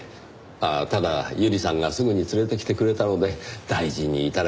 ああただ友里さんがすぐに連れてきてくれたので大事に至らず助かりました。